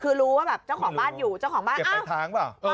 คือรู้ว่าเจ้าของบ้านอยู่เจ้าของบ้านอ้าว